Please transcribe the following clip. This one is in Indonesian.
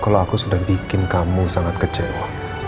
kalau aku sudah bikin kamu sangat kecewa